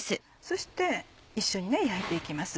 そして一緒に焼いて行きます。